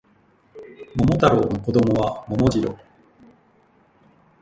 桃太郎の子供は桃次郎